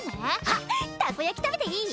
あたこ焼きたべていい？